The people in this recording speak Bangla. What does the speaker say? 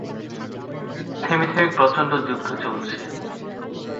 থেমে থেমে প্রচণ্ড যুদ্ধ চলছে।